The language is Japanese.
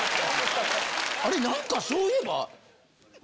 あれ何かそういえば。